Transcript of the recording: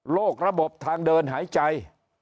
ระบบทางเดินหายใจ